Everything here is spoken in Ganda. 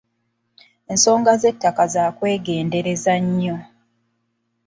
Ensonga z'ettaka za kwegendereza nnyo.